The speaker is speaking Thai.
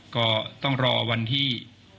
ก็ต้องรอวันที่